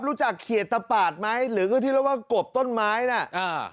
เขียดตะปาดไหมหรือก็ที่เรียกว่ากบต้นไม้น่ะอ่า